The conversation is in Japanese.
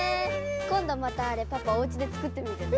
こんどまたあれパパおうちでつくってみるね。